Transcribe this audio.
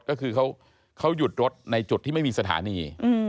ก็คือเขาหยุดรถในจุดที่ไม่มีสถานี